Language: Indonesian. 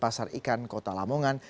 dan pasar ikan kota lamungan